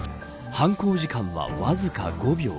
犯行時間はわずか５秒。